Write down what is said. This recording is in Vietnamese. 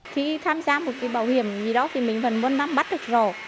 khi tham gia một cái bảo hiểm như đó thì mình vẫn muốn bắt được rõ